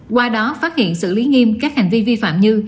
qua đó phát hiện xử lý nghiêm các hành vi vi phạm như